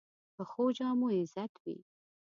پخو جامو عزت وي